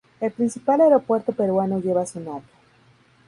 El principal aeropuerto peruano lleva su nombre.